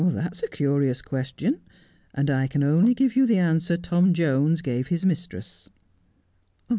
' That's a curious question, and I can only give you the answer Tom Jones gave his mistress.'